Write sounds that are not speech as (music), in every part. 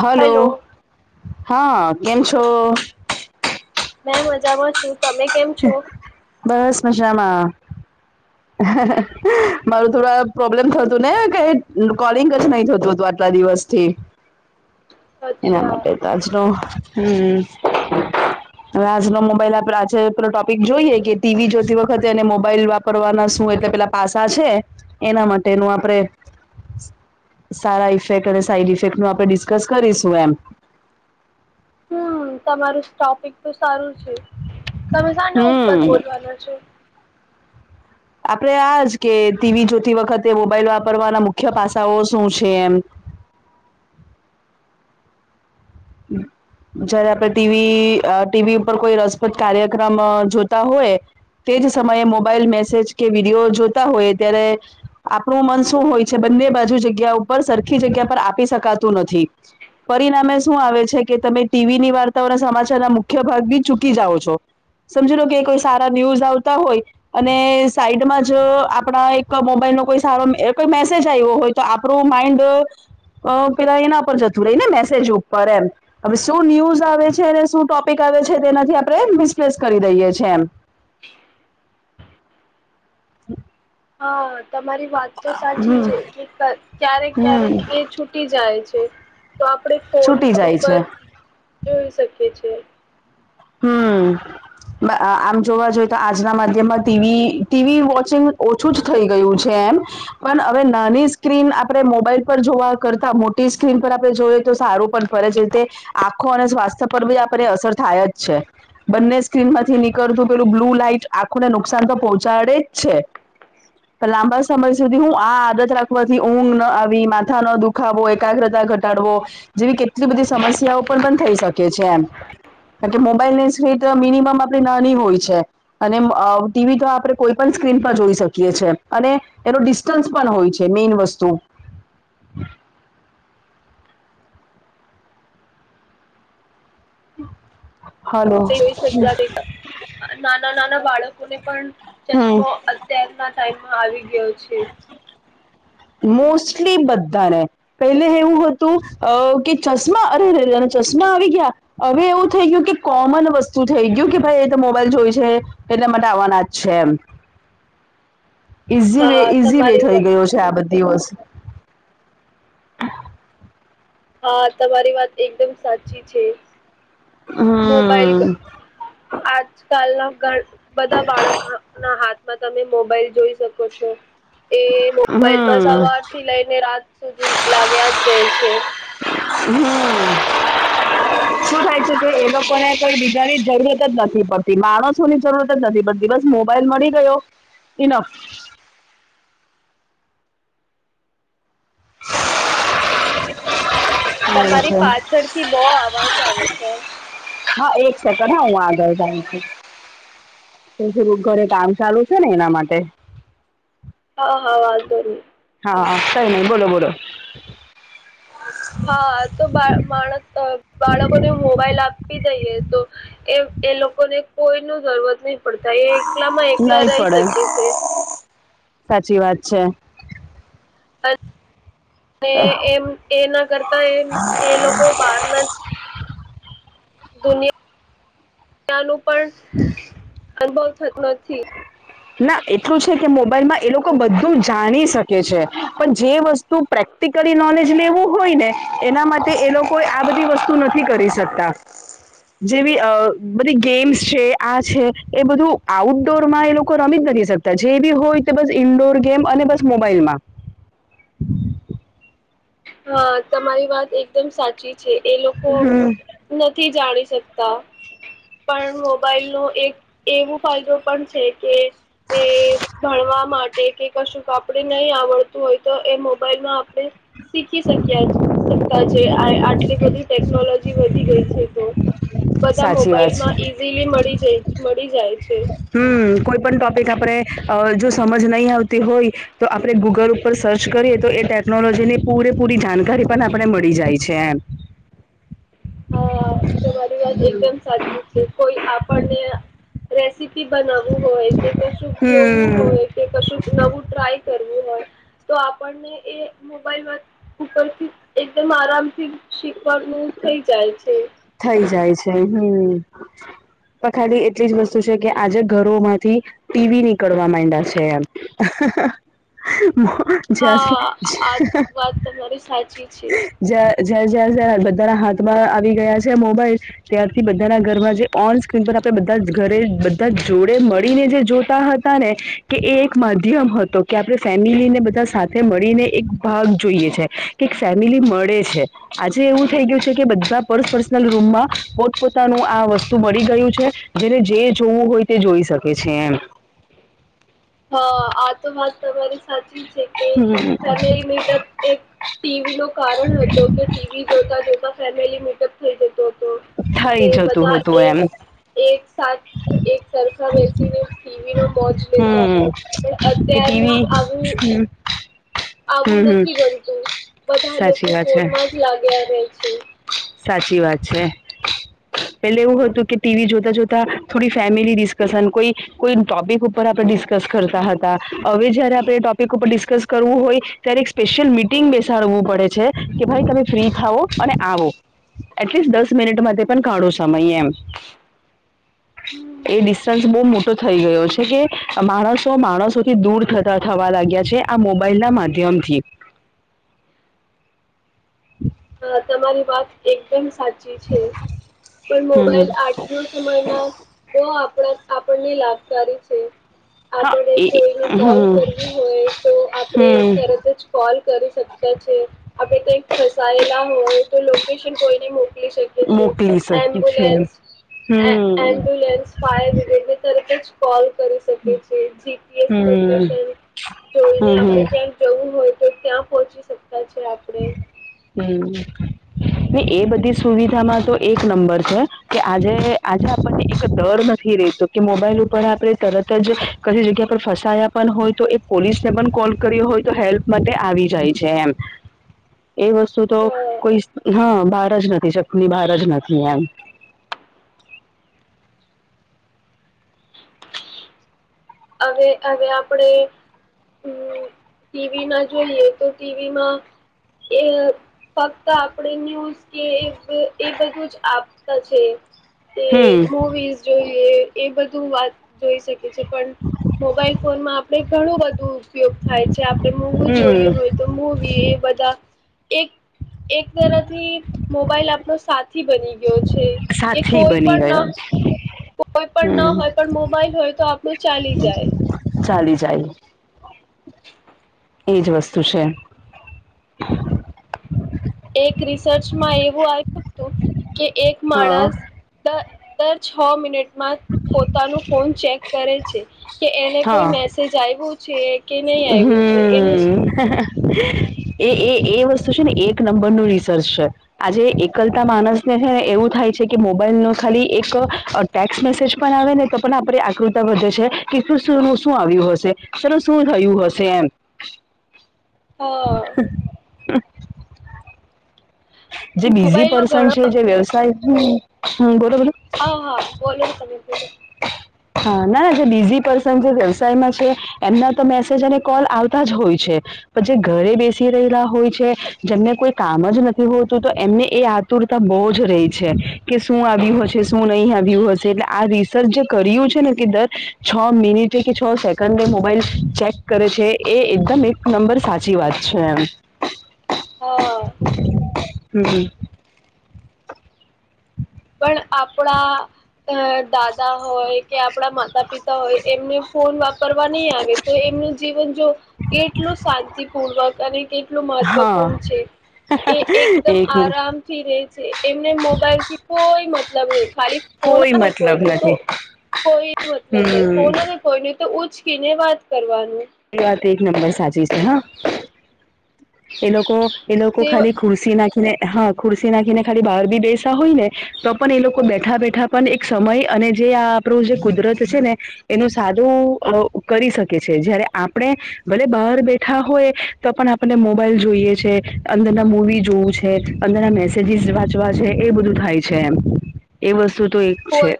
Hello hello હા કેમ છો મેં મજામાં છું તમે કેમ છો બસ મજામાં મારું થોડા પ્રોબ્લેમ થતું ને કઈ કોલિંગ જ નહી થતું હતું કેટલા દિવસથી એના અચ્છા માટે આજનો હમ હવે આજનો મોબાઈલ આપે આજે ટોપિક જોઈએ કે ટીવી જોતી વખતે અને મોબાઈલ વાપરવાના શું એટલે પેલા પાસા છે એના માટેનું આપડે સારા ઇફેક્ટ અને સાઈડ ઇફેક્ટ નું આપણે ડિસ્કસ કરીશું એમ હમ તમારું ટોપિક તો સારું છે તમે શના ઉપર હમ બોલવાના છો આપડણે આજ કે ટીવી જોતી વખતે મોબાઈલ વાપરવાના મુખ્ય પાસાઓ શું છે એમ હમ જયારે આપણે ટીવી ટીવી ઉપર કોઈ રસપ્રદ કાર્યક્રમ જોતા હોય તે જ સમયે મોબાઈલ મેસેજ કે વિડીયો જોતા હોય ત્યારે આપણું મન શું હોય છે બંને બાજુ જગ્યા ઉપર સરખી જગ્યા પર આપી શકાતું નથી પરિણામે શું આવે છે કે તમે ટીવી ની વાર્તાઓના સમાચાર ના મુખ્ય ભાગ બી ચૂકી જાઓ છો સમજી લો કે કોઈ સારા ન્યુઝ આવતા હોય અને સાઈડમાં જ આપણા એક મોબાઈલ નો કોઈ સારો કોઈ મેસેજ આવ્યો હોય તો આપણું માઈન્ડ પેલા એના પર જતું રહી ને મેસેજ ઉપર એમ હવે શું ન્યૂઝ આવે છે અને શું ટોપિક આવે છે તેનાથી આપણે મિસપ્લેસ કરી દઈએ છેએ એમ (inaudible) હમ (unintelligible) હા તમારી વાત તો સાચી છે કે ક્યારેક હમ ક્યારેક એ છૂટી જાય છે તો આપણે ફોન છૂટી જાય ઉપર છે જોઈ શકીએ છેએ હમ આમ જોવા જોઈએ તો આજના માધ્યમમાં ટીવી ટીવી વોચિંગ ઓછું જ થઈ ગયું છે એમ પણ હવે નાની સ્ક્રીન આપણે મોબાઈલ પર જોવા કરતા મોટી સ્ક્રીન પર આપણે જોઈએ તો સારું પણ ખરે જ રીતે આખો અને સ્વાસ્થ્ય પર બી આપણે અસર થાય જ છે બંને સ્ક્રીન માંથી નીકળતું પેલું બ્લુ લાઈટ આખુંને નુકસાન તો પહોંચાડે જ છે લાંબા સમય સુધી હું આ આદત રાખવાથી ઊંઘ ના આવી માથા નો દુખાવો એકાગ્રતા ઘટાડવો જેવી કેટલી બધી સમસ્યાઓ પણ પણ થઈ શકે છે એમ કારણ કે મોબાઈલ ને સ્ટ મિનિમમ આપણી નાની હોય છે અને ટીવી તો આપણે કોઈ પણ સ્ક્રીન પર જોઈ શકીએ છે અને એનો (unintelligible) હોય છે મેઈન વસ્તુ હલો હોય શક્યાટ (unintelligible) નાના નાના બાળકોને પણ ચશ્મો અત્યારના ટાઈમમાં આવી ગયો છે મોસ્ટસ્ટલી બધાને પેલે એવું હતું અ કે ચશ્મા અરે રે તને ચશ્મા આવી ગયા હવે એવું થઈ ગયું કે કોમન વસ્તુ થઈ ગયું કે ભાઈ એ તો મોબાઈલ જોય છે એટલે મને આવવાના જ છે એમ ઈઝી વે હા ઈઝી વે તમારી થઈ વાત ગયો છે આ બધી વસ્તુ હા તમારી વાત એકદમ સાચી છે હમ મોબાઈલ (inaudible) આજકાલના બધા બાળકોના હાથ માં તમે મોબાઈલ જોઈ શકો છો (inaudible) એ મોબાઈલ માં હમ સવાર થી લઈને રાત સુધી લાગ્યા જ રહે છે હમ (inaudible) શું થાય છે કે એ લોકોને કઈ બીજાની જરૂરત જ નથી પડતી માણસો ની જરૂરત નથી બધી બસ મોબાઈલ મળી ગયો (inaudible) તમારી એવું છે પાછળથી બહ અવાજ આવે છે હા એક સેકન્ડ હા હું આગળ જાઉં છ પડું ઘરે કામ ચાલુ છે ને એના માટે હા હા વાજધો હા કઈ નહી બોલો બોલો હા તો બા માણસ બાળકોને મોબાઈલ આપી દઈએ તો એ એ લોકોને કોઈ ન જરૂરત નહી પડતા એ એકલામાં એકલા નહીં રહી પડે શકે છે સાચી વાત છે અહ, એમ એ ના કરતા એમ એ લોકો બહાર ના દુનિયાિ (inaudible) યાનું હમ (inaudible) અનુભવ થતો નથી ના એટલું છે કે મોબાઈલમાં એ લોકો બધું જાણી શકે છે પણ જે વસ્તુ શું પ્રેક્ટિકલી નોલેજ લેવું હોય ને એના માટે એ લોકો આ બધી વસ્તુ નથી કરી શકતા જેવી બધી ગેમ્સ છે આ છે એ બધું આઉટડોર માં એ લોકો રમી જ નથી શકતા જે બી હોય તો બસ ઇન્ડોર ગેમ અને બસ મોબાઈલ માં હ તમારી વાત એકદમ સાચી છે એ લોકો નથી જાણી શકતા પણ મોબાઈલ નો એક એવું ફાયદો પણ છે કે એ ભણવા માટે કે કશું કપડ નહી આવડતું હોય તો એ મોબાઈલમાં શીખી શક્યા શકતા આટલી બધી ટેકનોલોજી વધી ગઈ છે તો બધા મો સાચી વાત હ છે. ઈઝીલી મળી જ મળી જાય છે હમ કોઈ પણ ટોપિક આપણે જો સમજ નહી આવતી હોય તો આપણે ગૂગલ ઉપર સર્ચ કરીએ તો એ ટેકનોલોજી ની પૂરેપૂરી જાણકારી પણ આપણે મળી જાય છે એમ હા તમારી વાત એકદમ સાચી છે કોઈ આપણને રેસીપી બનાવવું હોય કે કશું જોવું હમ હોય કે કશું નવું ટ્રાય કરવું હોય તો આપણને એ મોબાઈલમાં ઉપરથી એકદમ આરામથી શીખવાનું થઇ જાય છે થઈ જાય છે હમ પણ ખાલી એટલી જ વસ્તુ છે કે આજે ઘરો માંથી ટીવી નીકળવા માંડા છે એમ હા આ વાત તમારી સાચી છે જે ઝેર ઝરઝે બધાના હાથમાં આવી ગયા છે મોબાઈલ ત્યારથી બધાના ઘરમાં જે ઓન સ્ક્રીન પર આપણે બધા ઘરે બધા જોડે મળીને જે જોતા હતા ને કે એ એક માધ્યમ હતો કે આપણે ફેમિલીને બધા સાથે મળીને એક ભાગ જોઈએ છે કે ફેમિલી મળે છે આજે એવું થઈ ગયું છે કે બધા પરસ રૂમમાં પોતપોતાનું આ વસ્તુ મળી ગયું છે જેને જે જોવું હોય તે જોઈ શકે છે એમ હા આ તો વાત તમારી સાચી છે કે ફેમિલી મીટઅપ એક ટીવી નો કારણ હતો કે ટીવી જોતા જોતા ફેમિલી મીટક (inaudible) થઇ જતું હતું એક એમ એક સાથેથ એક સરખા બેસીને ફીવી નો મોજ લે હમ પણ કે ટીવી અત્યારમાં આવું હમ આવું હમ હમ નથી બનતું બધા સાચી લોકો વાત છે ફોનમાં જ લાગ્યા રહે છે સાચી વાત છે પેલે એવું હતું કે ટીવી જોતા જોતા થોડી ફેમિલી ડિસ્કશન કોઈ કોઈ ટોપિક ઉપર આપણે ડિસ્કસ કરતા હતા હવે જયારે આપણે ટોપિક ઉપર ડિસ્કસ કરવું હોય ત્યારે એક સ્પેશિયલ મિટિંગ બેસાડવું પડે છે કે ભાઈ તમે ફ્રી થાવો અને આવો એટલીસ્ટ દસ મિનિટમાં પણ કાઢોય સમય એમ એ હમ ડિસ્ટન્સ બહુ મોટો થઈ ગયો છે કે માણસો માણસોથી દૂર થવા લાગ્યા છે આ મોબાઈલ ના માધ્યમથી હ તમારી વાત એકદમ સાચી છે પણ હમ મોબાઈલ આ સમયમાં બહુ આપણા આપણને લાભકારી છે હા આપણે એ કોઈને કોલ હમ કરવું હોય તો આપણેે હમ તરત જ કોલ કરી શકએ છે આપડે હોય તો લોકેશન કોઈને મોકલી શકે મોકલી શકે છે હમ એમ્બ્યુલન્સ ફાયર બ્રિગેડ ને તરત જ કોલ કરી શકે છે જીપીએસ હમ હમ લોકેશન જોઈને આપણે હમ ક્યાં જવું હોય તો ત્યાં પહોંચી શકતા છે આપણે હમ ને એ બધી સુવિધામાં તો એક નંબર છે કે આજે આજે આપણને એક ડર નથી રેતો મોબાઈલ ઉપર આપણે તરત જ કી જગ્યા પર ફસાયા પણ હોય તો એ પોલીસ ને પણ કોલ કર્યો હોય તો હેલ્પ માટે આવી જાય છે એમ એ વસ્તુ તો કોઈ હા બહાર જ નથી શકલી બહાર જ નથી એમ હવે હવે આપણે હમ ટીવી માં જોઈએ તો ટીવીમાં એ ફક્ત આપણે ન્યૂઝ કે એ બધું જ આપતા છે એ હમ મવીઝ જોઈએ એ બધું વાત જોઈ શકે છે પણ મોબાઈલ ફોનમાં આપડણે ઘણું બધું ઉપયોગ થાય છે આપડણે મોવું જોઈએ હમ હોય તો મુવી એ બધા એક એક તરફથી મોબાઈલ આપણો સાથી બની ગયો છે કે સાથી કોઈ બની પણ ગયો કોઈ પણ ના હમ હોય પણ મોબાઈલ હોય તો આપડું ચાલી જાય ચાલી જાય (unintelligible) એ જ વસ્તુ છે એક રિસર્ચમાં એવું આવ્યું હતું કે એક હા માણસ દર છ મિનિટમાં પોતાનું ફોન ચેક કરે છે કે એને કોઈ હા મેસેજ આવ્યું છે કે ની આવ્યું છે હમ એ એ એ વસ્તુ છે ને એક નંબર નું રિસર્ચ છે આજે એકલતા માણસને છે ને એવું થાય છે કે મોબાઈલ નો ખાલી એક ટેક્સ મેસેજ પણ આવે ને તો પણ આપે આકૃતા વધે છે કે શું શું આવ્યું હશે શું થયું હશે એમ હા જે બીઝી મોબાઈલનો પર્સન ઘણો છે જે વ્યવસાય હા બોલો બોલો હ હા બોલો હા ના જે બીજી પર્સન જે વ્યવસાયમાં છે એમના તો મેસેજ અને કોલ આવતા જ હોય છે પણ જે ઘરે બેસી રહેલા હોય છે જેમને કોઈ કામ જ નથી હતું તો એમને એ આતુરતા બહુ જ રહી છે કે શું આવ્યું શું નહીં આવ્યું હશે એટલે આ સર જે કર્યું છે ને કે દર છ મિનિટે કે છ સેકન્ડ મોબાઈલ ચેક કરે છે એ એકદમ એક નંબર સાચી વાત છે એમ હા હમ પણ આપડા અ દાદા હોય કે આપડા માતા પિતા હોય એમને ફોન વાપરવા નહીં આવે તો એમનું જીવન જો કેટલું શાંતિપૂર્વક અને કે ટલું હા મહત્વપૂર્ણ છે એ એકદમ એક મિનિટ આરામથી રહે છે. એમને મોબાઈલથી કોઈ મતલબ નહી ખાલી કોઈ ફોનાને મતલબ કોઈનું તો નથી કોઈ મતલબ નહી હમ ફોન આવે કોઈ ને તો ઉચકીને વાત કરવાનું. એ વાત એક નંબર સાચી છે હા એ લોકો એ લોકો જે ખાલી ખુશ સી નાખીને હા ખુરશી નાખીને ખાલી બહાર બી બેસા હોય ને તો પણ એ લોકો બેઠા બેઠા પણ એક સમય અને જે આ આપણું જે કુદરત છે ને એનું સાદો કરી શકે છે જ્યારે આપણે ભલે બહાર બેઠા હોય તો પણ આપણને મોબાઈલ જોઈએ છે. અંદરના મૂવી જોવું છે અંદરના મેસેજીસ વાંચવા છે એ બધું થાય છે એમ. એ વસ્તુ તો એ કોઈ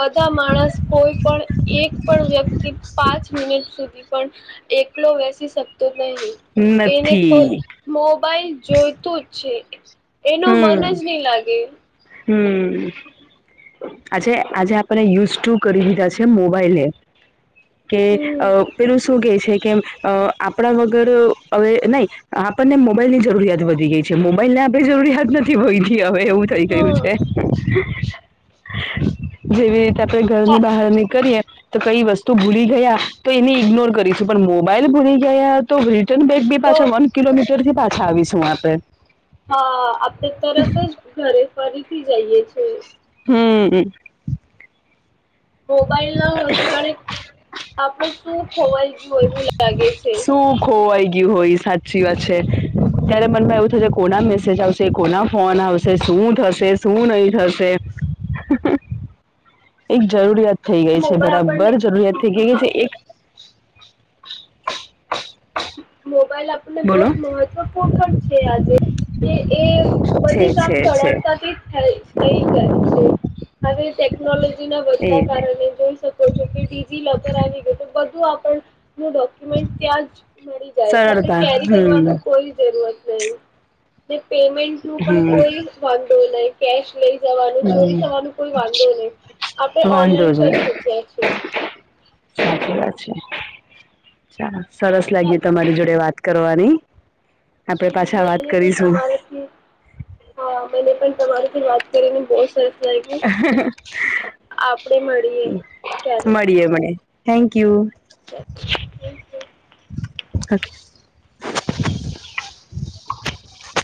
બધા માણસ કોઈ પણ એક પણ વ્યક્તિ પાંચ મિનિટ સુધી પણ એકલો બેસી શકતો નહી. એને કો નથી મોબાઈલ જોઈતું જ છે એનું મન હમ જ નહી લાગે. હમ આજે આજે આપડે યુઝ ટુ કરી લીધા છે મોબાઈલે કે અ હમ પેલું શું કેહે છે કેમ અ આપડા વગર હવે નહી આપણને મોબાઈલ ની જરૂરિયાત વધી ગઈ છે મોબાઈલના કઈ જરૂરિયાત નથી ભયથી હવે એવું થઈ ગયું છે હા જેવી રીતે આપડે ઘરની બહાર નીકળીએ તો કઈ વસ્તુ ભૂલી ગયા તો એને ઇગ્નોર કરીશું. પણ મોબાઈલ ભૂલી ગયા તો રિટર્ન બેગ બી તો પાછા વન કિલોમીટર થી પાછા આવીશ હું આપે. હા આપડે તરત જ ઘરે ફરીથી જઈએ છે. હમ મોબાઈલ ના હોય તો જાણે આપડો શું ખોવાઈ ગયું એવું લાગે છે. શું ખોવાઈ ગઈ હોય સાચી વાત છે. ત્યારે મનમાં એવું થશે કોના મેસેજ આવશે? કોના ફોન આવશે? શું થશે શું નહી થશે? એક જરૂરિયાત થઈ ગઈ છે મોબાઈલ આપણને બરાબર જરૂરિયાત થઈ ગઈ ગઈ હા છે. એક મોબાઈલ આપણને બહુ બોલો જ મહત્વપૂર્ણ પણ છે આજે એ એ છે બધી કામ છે છે સળળતાથી થાય થઈ જાય છે હવે ટેકનોલોજી ના એ વધતા રીતે કારણે જોઈ શ ડિજીલોકર આવી ગયું તો બધું આપણ ન ડોક્યુમેન્ટ ત્યાં જ મળી જાય છે આપણે સરળતા કેરી હમ કરવાનું કોઈ જરૂરત નહીં પેમેન્ટ નું પણ હમ કોઈ વાંધો નહી કેશ લઈ જવાનું ચોરી હમ થવાનું કોઈ વાંધો નહી આપણે વાંધો ઓનલાઈન જ કરી નહી શકીએ છીએ સાચી વાત છે ચ સરસ લાગ્યું તમારી જોડે વાત કરવાની આપડે પાછા વાત કરીશું. કે હા, મને પણ તમારીથી વાત કરીને બહુ સરસ લાગ્યું. આપણે મળીએ (inaudible) ક્યારેક. મળીએે મળીયે થેન્કયુ (inaudible) (unintelligible)